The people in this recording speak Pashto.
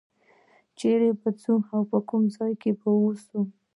چې چېرې به ځو او کوم ځای کې به اوسو.